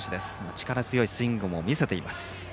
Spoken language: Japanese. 力強いスイングも見せています。